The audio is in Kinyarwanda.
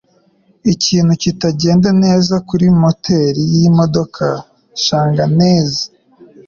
Ikintu kitagenda neza kuri moteri yiyi modoka. (shanghainese)